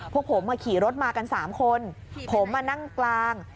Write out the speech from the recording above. พวกผมมาขี่รถมากัน๓คนผมมานั่งกลาง